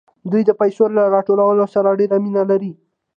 دوی د پیسو له راټولولو سره ډېره مینه لري